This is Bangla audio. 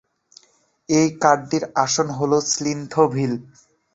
এর কাউন্টি আসন হল স্মিথভিল।